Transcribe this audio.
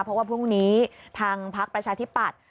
เพราะว่าพรุ่งนี้ทางพักประชาธิปัตย